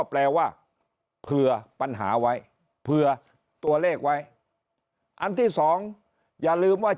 แปลว่าเผื่อปัญหาไว้เผื่อตัวเลขไว้อันที่สองอย่าลืมว่า